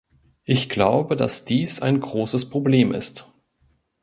Ich glaube, dass dies ein großes Problem ist.